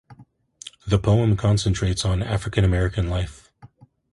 The poem concentrates on African-American life.